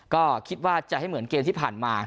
ก็คิดว่าจะให้เหมือนเกมที่ผ่านมา